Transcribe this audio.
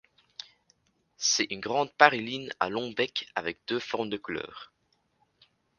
C'est une grande paruline à long bec avec deux formes de couleur.